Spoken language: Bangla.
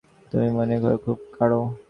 তুমি মনে হয় খুব করো?